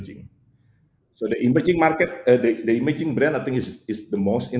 jadi brand pengembaraan itu adalah brand yang paling menarik